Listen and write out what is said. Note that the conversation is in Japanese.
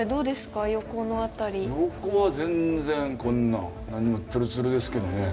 横は全然こんなん何にもツルツルですけどね。